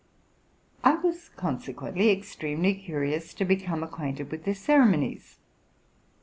I was consequently extremely curious to 'become acquainted with their ceremonies.